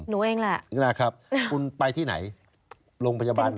รู้เองแหละครับคุณไปที่ไหนโรงพยาบาลไหน